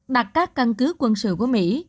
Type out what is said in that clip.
đặt các căn cứ quân sự của mỹ